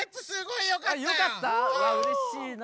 いやうれしいな。